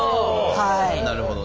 なるほど！